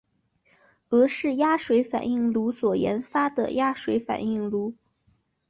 俄式压水反应炉所研发的压水反应炉。